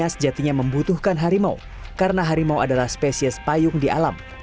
sejatinya membutuhkan harimau karena harimau adalah spesies payung di alam